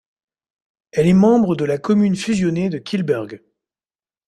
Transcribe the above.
Elle est membre de la commune fusionnée de Kyllburg.